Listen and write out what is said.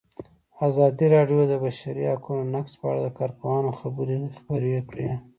ازادي راډیو د د بشري حقونو نقض په اړه د کارپوهانو خبرې خپرې کړي.